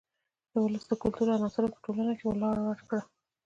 د ولس د کلتور عناصرو په ټولنه کې لار وکړه.